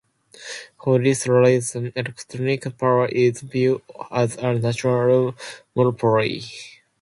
For this reason, electric power is viewed as a natural monopoly.